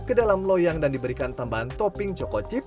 kedalam loyang dan diberikan tambahan topping coko chip